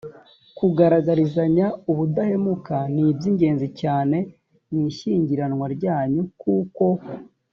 kugaragarizanya ubudahemuka ni iby ingenzi cyane mu ishyingiranwa ryanyu kuko